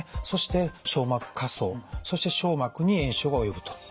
そして漿膜下層そして漿膜に炎症が及ぶと。